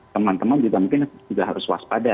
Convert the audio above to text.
teman teman juga mungkin juga harus waspada